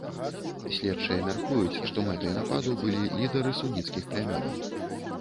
Следчыя мяркуюць, што мэтай нападу былі лідары суніцкіх плямёнаў.